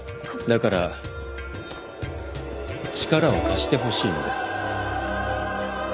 だから力を貸してほしいのです。